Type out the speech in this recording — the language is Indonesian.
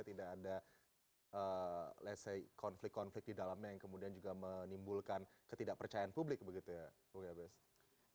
tidak ada let's say konflik konflik di dalamnya yang kemudian juga menimbulkan ketidakpercayaan publik begitu ya bung yabe stanuri